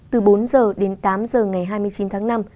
từ bốn h đến tám h ngày hai mươi chín tháng năm